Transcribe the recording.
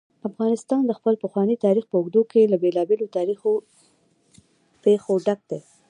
افغانستان د خپل پخواني تاریخ په اوږدو کې له بېلابېلو تاریخي پېښو ډک دی.